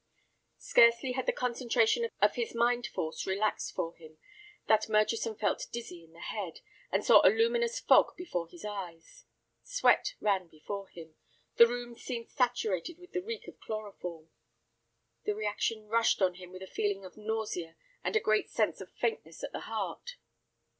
Scarcely had the concentration of his mind force relaxed for him than Murchison felt dizzy in the head, and saw a luminous fog before his eyes. Sweat ran from him; the room seemed saturated with the reek of chloroform. The reaction rushed on him with a feeling of nausea and a great sense of faintness at the heart.